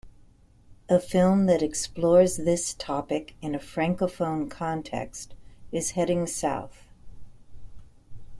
A film that explores this topic in a Francophone context is "Heading South".